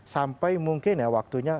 sampai mungkin ya waktunya